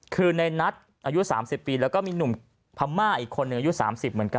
คือในนัทอายุ๓๐ปีแล้วก็มีหนุ่มพม่าอีกคนหนึ่งอายุ๓๐เหมือนกัน